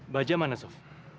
bajak mana sof